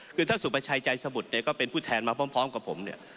คือถ้าสุพชายใจสะบุดก็เป็นผู้แทนมาพร้อมกับผมเนี่ย